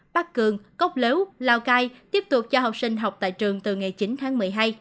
bắc cường cốc lếu lao cai tiếp tục cho học sinh học tại trường từ ngày chín tháng một mươi hai